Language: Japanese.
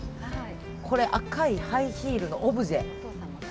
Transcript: これ赤いハイヒールのオブジェ。